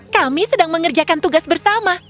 kami sedang mengerjakan tugas bersama